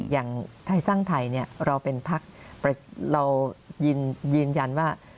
อย่างไทยสร้างไทยเราเป็นพักเรายืนยันว่า